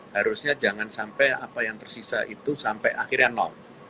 harusnya jangan sampai apa yang tersisa itu sampai akhirnya nol